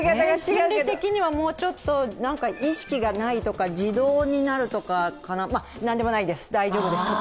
心理的にはもうちょっと意識がないとか、自動になるとか、なんでもないです、大丈夫です。